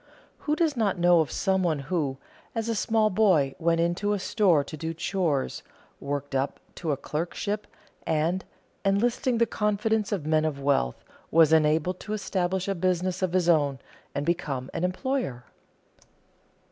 Who does not know of some one who, as a small boy, went into a store to do chores, worked up to a clerkship and, enlisting the confidence of men of wealth, was enabled to establish a business of his own and become an employer?